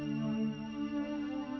aku sudah berjalan